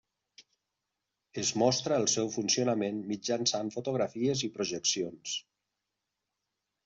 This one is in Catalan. Es mostra el seu funcionament mitjançant fotografies i projeccions.